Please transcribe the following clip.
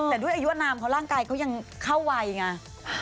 แต่ด้วยอายุอนามเขาร่างกายก็ยังเข้าไวไง